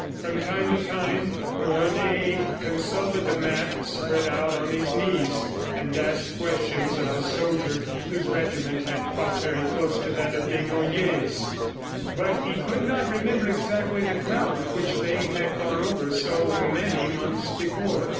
From time to time, Rene consulted the map spread out on his knees, and asked questions of the soldier whose regiment had fought very close to that of Desnoyers', but he could not remember exactly the ground which they had gone over so many months before.